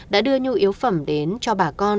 đã đưa nhu yếu phẩm đến cho bà con